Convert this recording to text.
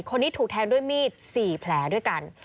คนนี้ถูกแทงด้วยมีด๔แผลด้วยกัน